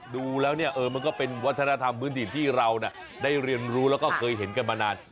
ดูแล้วเนี่ยมันก็เป็นวัฒนธรรมพื้นถิ่นที่เราได้เรียนรู้แล้วก็เคยเห็นกันมานาน